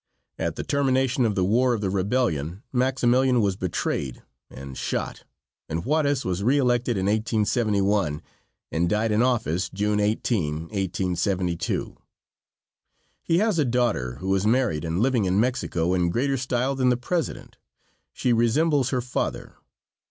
At the termination of the War of the Rebellion Maximilian was betrayed and shot, and Juarez was re elected in 1871, and died in office June 18, 1872. He has a daughter who is married and living in Mexico in greater style than the president. She resembles her father.